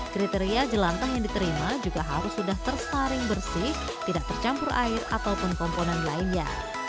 kriteria jelangtah yang diterima juga harus sudah tersaring bersih tidak tercampur air ataupun komponen lainnya